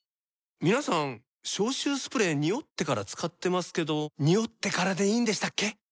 皆さん消臭スプレーニオってから使ってますけどニオってからでいいんでしたっけ？